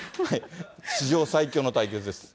史上最強の対決です。